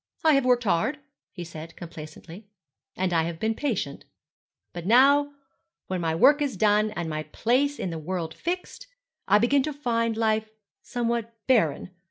'I have worked hard,' he said, complacently, 'and I have been patient. But now, when my work is done, and my place in the world fixed, I begin to find life somewhat barren.